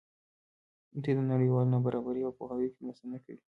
دوی د نړیوالې نابرابرۍ په پوهاوي کې مرسته نه کوي.